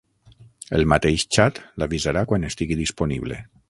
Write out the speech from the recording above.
El mateix xat l'avisarà quan estigui disponible.